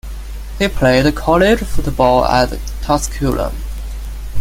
He played college football at Tusculum.